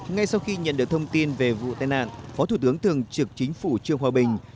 ngay sau khi nhận được thông tin về vụ tai nạn phó thủ tướng thường trực chính phủ trương hòa bình